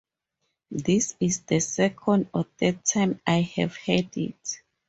This is the second or third time I have had it.